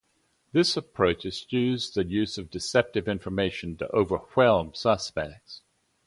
This approach eschews the use of deceptive information to overwhelm suspects.